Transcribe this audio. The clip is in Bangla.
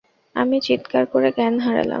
আমি চিৎকার করে জ্ঞান হারালাম।